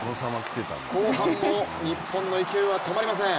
後半も日本の勢いは止まりません。